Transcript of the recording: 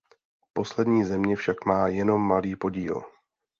Poslední země však má jenom malý podíl.